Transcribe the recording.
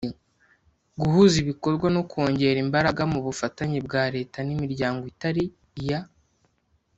Guhuza ibikorwa no kongera imbaraga mu bufatanye bwa leta n imiryango itari iya